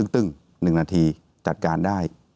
ตึ้ง๑นาทีจัดการได้